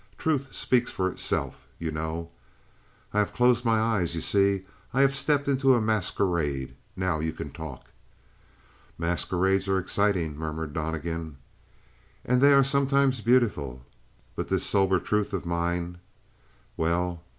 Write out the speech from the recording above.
Truth speaks for itself, you know." "I have closed my eyes you see? I have stepped into a masquerade. Now you can talk." "Masquerades are exciting," murmured Donnegan. "And they are sometimes beautiful." "But this sober truth of mine " "Well?"